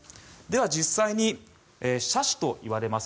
実際に射手といわれます